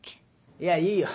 いやいいよ